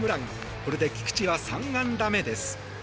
これで菊池は３安打目です。